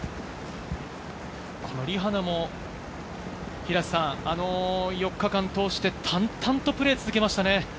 リ・ハナも平瀬さん、４日間を通して淡々とプレーを続けましたね。